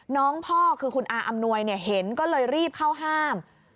น้องพ่อคือคุณอาอำนวยเห็นก็เลยรีบเข้าห้าม